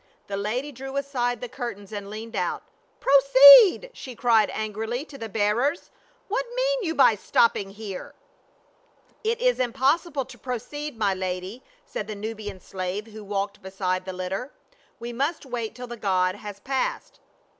The lady drew aside the curtains and leaned out. " Pro ceed !" she cried angrily to the bearers, "what mean you by stopping here?" "It is impossible to proceed, my lady," said the Nubian slave who walked beside the litter. "We must wait till the god has passed."